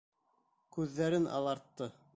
Күҙҙәрен алартты.